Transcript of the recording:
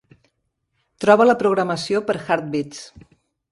Troba la programació per "Heart Beats".